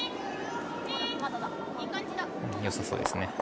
よさそうですね。